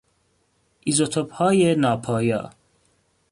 ایزوتوپهای ناپایا